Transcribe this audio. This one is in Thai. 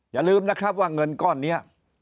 อย่าลืมว่าเงินก้อนนี้